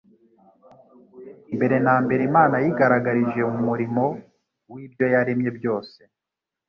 Mbere na mbere Imana yigaragarije mu murimo w'ibyo yaremye byose.